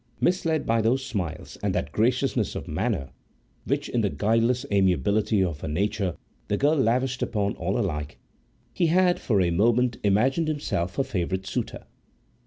Misled by those smiles and that graciousness of manner which in the guileless amiability of her nature the girl lavished upon all alike, he had for a moment imagined himself her favoured suitor.